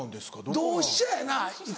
同志社やな一応。